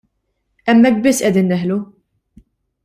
Hemmhekk biss qegħdin neħlu.